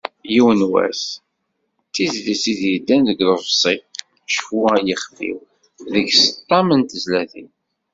"Yiwen wass", d tizlit i d-yeddan deg uḍebsi "Cfu ay ixef-iw", deg-s ṭam n tezlatin.